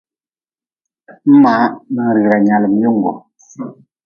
Mʼmaa ninrira nyaalm yunggu.